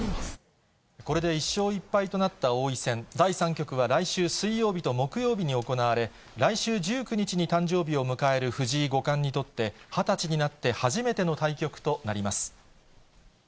これで１勝１敗となった王位戦、第３局は来週水曜日と木曜日に行われ、１９日に誕生日を迎える藤井五冠にとって、２０歳になって初めての対局となります。